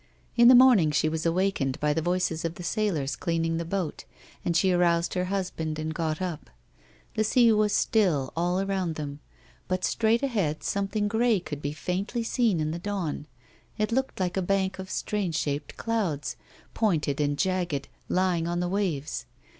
In the morning she was awakened by the voices of the sailors cleaning the boat, and she aroused her liusbaud and got up. The sea was still all around them, but straight ahead some thing grey could be faintly seen in the dawn ; it loolced like a bank of strange shaped clouds, pointed and jagged, lying on the waves.